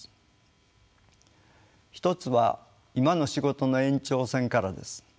一つは今の仕事の延長線からです。